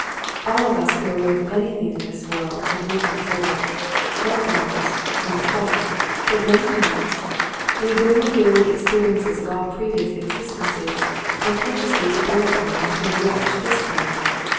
All of us who are worth anything in this world have lived before not once, nor twice, but many times. We bring the varied experiences of all previous existences, unconsciously to bear upon and to enrich this one.